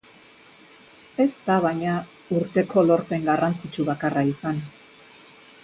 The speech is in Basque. Ez da, baina, urteko lorpen garrantzitsu bakarra izan.